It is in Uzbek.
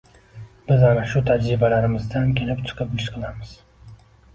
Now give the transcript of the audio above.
Biz ana shu tajribalarimizdan kelib chiqib ish qilamiz.